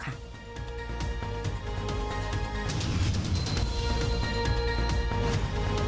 คุณผู้ชมค้าน